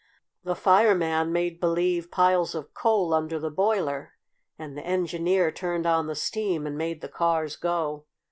The Fireman made believe piles of coal under the boiler, and the Engineer turned on the steam and made the cars go.